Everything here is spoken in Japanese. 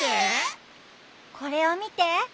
これをみて。